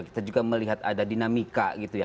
kita juga melihat ada dinamika gitu ya